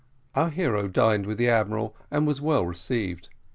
Our hero dined with the admiral, and was well received.